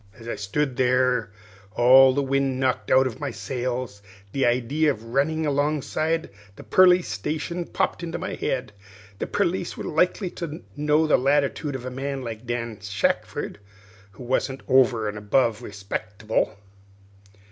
"As I stood there with all the wind knocked out of my sails, the idee of runnin' alongside the perlice station popped into my head. The perlice was likely to know the latitude of a man like Dan Shackford, who wasn't over an' above respecktible.